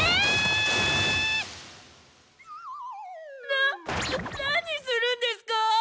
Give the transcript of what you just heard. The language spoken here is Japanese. なっ何するんですかぁ